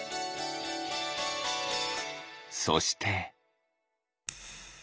そして。